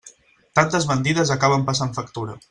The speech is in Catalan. Tantes mentides acaben passant factura.